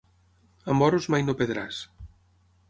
Amb oros mai no perdràs.